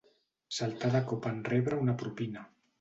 Saltà de cop en rebre una propina.